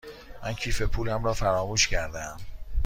من کیف پولم را فراموش کرده ام.